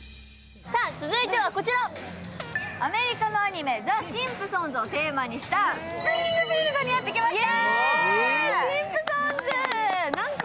続いてはこちら、アメリカのアニメ「ザ・シンプソンズ」をテーマにしたスプリングフィールドにやってきました！